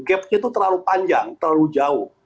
gapnya itu terlalu panjang terlalu jauh